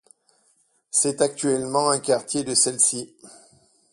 C'est actuellement un quartier de celle-ci.